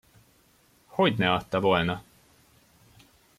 Hogyne adta volna!